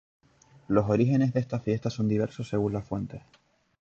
Los orígenes de esta fiesta son diversos según las fuentes.